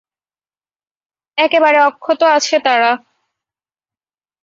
একেবারে অক্ষত আছে তারা।